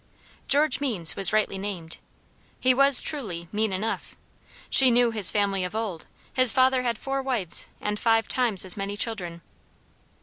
George Means was rightly named; he was, truly, mean enough; she knew his family of old; his father had four wives, and five times as many children.